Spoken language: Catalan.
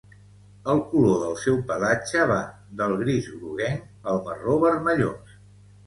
El color del seu pelatge va del gris groguenc al marró vermellós.